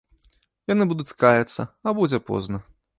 Яны будуць каяцца, а будзе позна.